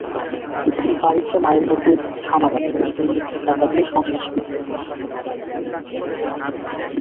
বাড়িতে মায়ের মুরগির খামার আছে, ডিম বিক্রির টাকা দিয়ে সংসার চলে।